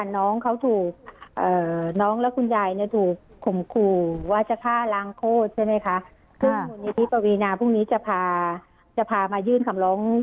น้องและคุณใยถูกข่มขู่ว่าจะฆ่าร้างโค้ดใช่ไหมคะ